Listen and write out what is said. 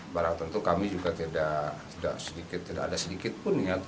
barang tentu kami juga tidak ada sedikitpun